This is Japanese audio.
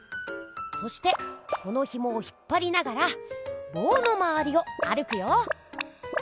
そしてこのひもを引っぱりながらぼうのまわりを歩くよ。